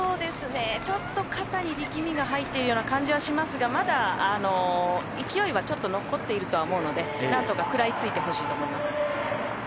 ちょっと肩に力みが入っているような感じはしますがまだ勢いはちょっと残っているとは思うので何とか食らいついてほしいなと思います。